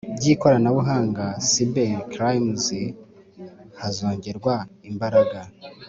By ikoranabuhanga cyber crimes hazongerwa imbaraga